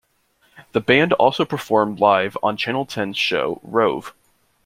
The band also performed live on Channel Ten's show "Rove".